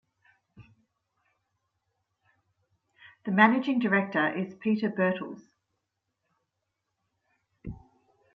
The managing director is Peter Birtles.